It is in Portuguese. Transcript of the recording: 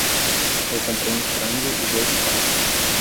Eu comprei um frango e dois pato.